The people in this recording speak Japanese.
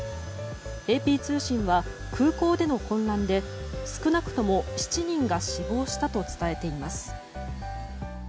ＡＰ通信は空港での混乱で少なくとも７人が死亡したと伝えています。